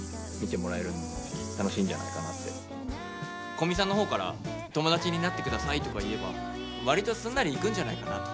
古見さんの方から「友達になって下さい」とか言えば割とすんなりいくんじゃないかなと。